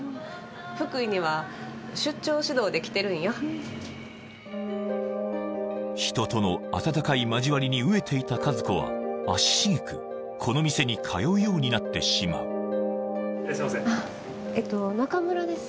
あとはい人との温かい交わりに飢えていた和子は足しげくこの店に通うようになってしまういらっしゃいませえっと中村です